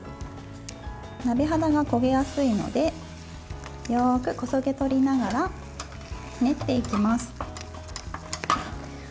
鍋肌が焦げやすいのでよく、こそげ取りながら練っていきます。